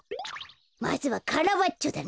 まずはカラバッチョだな。